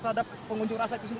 terhadap pengunjuk rasa itu sendiri